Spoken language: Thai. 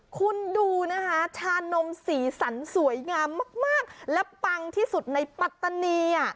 คุณดูนะคะชานมสีสันสวยงามมากและปังที่สุดในปัตตานี